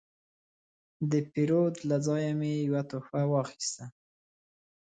د پیرود له ځایه مې یو تحفه واخیسته.